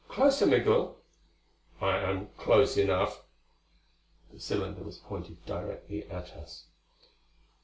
"Closer, Migul." "I am close enough." The cylinder was pointed directly at us.